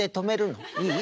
いい？